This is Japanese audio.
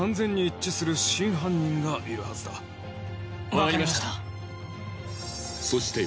わかりました。